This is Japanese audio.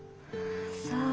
さあ。